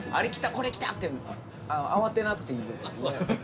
これきた！って慌てなくていいですね。